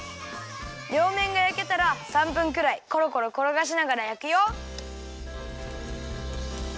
りょうめんがやけたら３分くらいコロコロころがしながらやくよ。